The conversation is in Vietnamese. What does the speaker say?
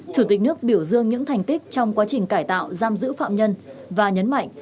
chủ tịch nước biểu dương những thành tích trong quá trình cải tạo giam giữ phạm nhân và nhấn mạnh